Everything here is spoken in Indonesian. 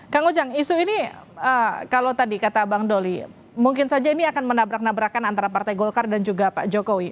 kang ujang isu ini kalau tadi kata bang doli mungkin saja ini akan menabrak nabrakan antara partai golkar dan juga pak jokowi